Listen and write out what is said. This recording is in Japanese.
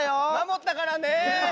守ったからね。